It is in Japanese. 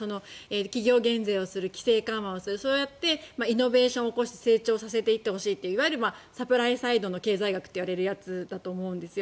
企業減税をする規制緩和をするそうやってイノベーションを起こしてといわゆるサプライサイドの経済学といわれるやつだと思うんです。